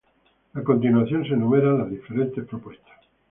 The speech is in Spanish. A continuación se enumeran las diferentes propuestas.